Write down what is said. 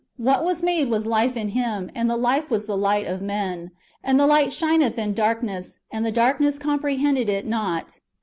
^ What was made was life in Him, and the life was the light of men. And the light shineth in darkness, and the darkness comprehended it not."